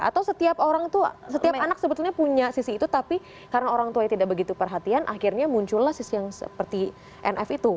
atau setiap orang itu setiap anak sebetulnya punya sisi itu tapi karena orang tuanya tidak begitu perhatian akhirnya muncullah sisi yang seperti nf itu